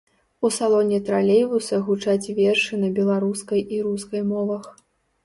У салоне тралейбуса гучаць вершы на беларускай і рускай мовах.